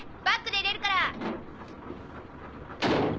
バックで入れるから。